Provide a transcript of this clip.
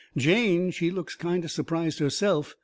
Jane, she looks kind o' surprised herself.